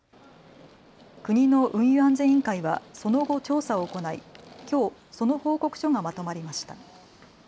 国の運輸安全委員会はその後調査を行い、きょうその報告書がまとまりました。